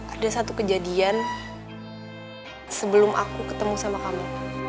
ada satu kejadian sebelum aku ketemu sama kamu